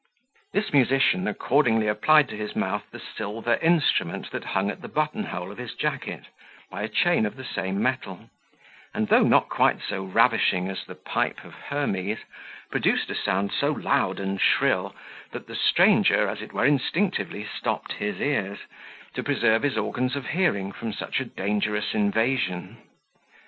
This musician accordingly applied to his mouth the silver instrument that hung at the button hole of his jacket, by a chain of the same metal, and though not quite so ravishing as the pipe of Hermes, produced a sound so loud and shrill, that the stranger, as it were instinctively, stopped his ears, to preserve his organs of hearing from such a dangerous invasion.